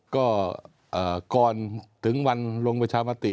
ก็ก่อนถึงวันลงประชามติ